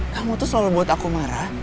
kamu tuh selalu buat aku marah